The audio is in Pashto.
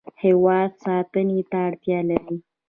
هیواد ساتنې ته اړتیا لري.